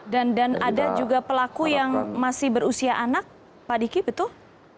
dan ada juga pelaku yang masih berusia anak pak diki betul